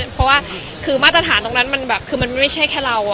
เพราะว่ามาตรฐานตรงนั้นมันไม่ใช่แค่เรา